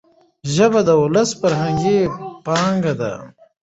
ژبه د ولس فرهنګي پانګه ده.